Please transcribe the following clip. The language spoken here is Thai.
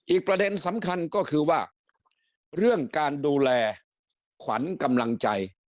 ประเด็นสำคัญก็คือว่าเรื่องการดูแลขวัญกำลังใจ